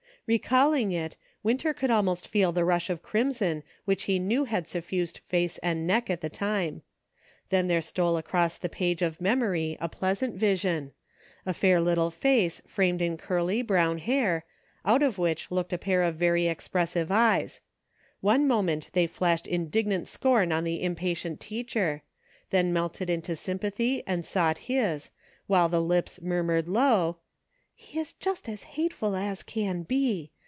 Recalling it. Winter could almost feel the rush of 142 PHOTOGRAPHS. crimson which he knew had suffused face and neck at the time ; then there stole across the page of memory a pleasant vision ; a fair little face framed in curly, brown hair, out of which looked a pair of very expressive eyes ; one moment they flashed indignant scorn at the impatient teacher, then melted into sympathy and sought his, while the lips murmured low : "He is just as hateful as he can be!